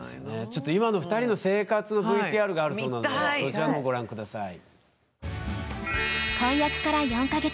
ちょっと今の２人の生活のＶＴＲがあるそうなのでそちらのほうご覧下さい。